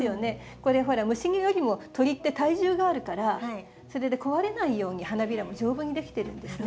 これほら虫よりも鳥って体重があるからそれで壊れないように花びらも丈夫にできてるんですね。